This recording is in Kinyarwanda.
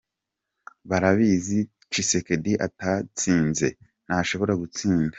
Barabizi ko Tshisekedi atatsinze, ntashobora gutsinda.